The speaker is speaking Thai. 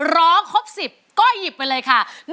ร้องครบสิบก็หยิบไปเลยค่ะ